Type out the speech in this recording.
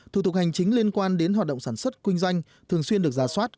thủ tục hành chính liên quan đến hoạt động sản xuất kinh doanh thường xuyên được giả soát